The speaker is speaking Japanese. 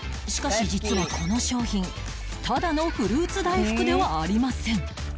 しかし実はこの商品ただのフルーツ大福ではありません